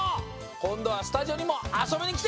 こんどはスタジオにもあそびにきてね！